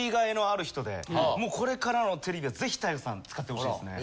もうこれからのテレビはぜひＴＡＩＧＡさん使ってほしいですね。